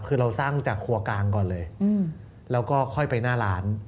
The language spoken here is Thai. คือเราสร้างจากครัวกลางก่อนเลยแล้วก็ค่อยไปหน้าร้าน